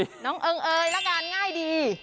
น้องเอิงเอยละกันง่ายดี